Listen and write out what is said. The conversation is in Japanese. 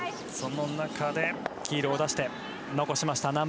その中で黄色を出して残しました。